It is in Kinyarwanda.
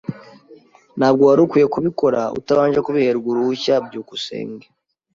Ntabwo wari ukwiye kubikora utabanje kubiherwa uruhushya. byukusenge